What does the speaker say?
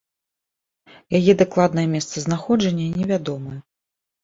Яе дакладнае месцазнаходжанне невядомае.